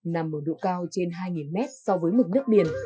nằm ở độ cao trên hai mét so với mực nước biển